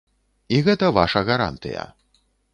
І гэта ваша гарантыя.